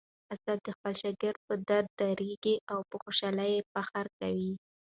استاد د خپل شاګرد په درد دردیږي او په خوشالۍ یې فخر کوي.